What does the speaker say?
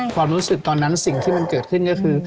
ความรู้สึกตอนนั้นสิ่งที่มันเกิดขึ้นก็คือ